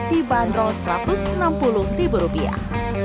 dibanderol satu ratus enam puluh ribu rupiah